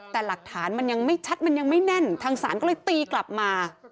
แต่หลักฐานมันยังไม่ชัดมันยังไม่แน่นทางศาลก็เลยตีกลับมา